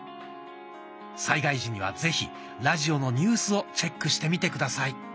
災害時にはぜひラジオのニュースをチェックしてみて下さい。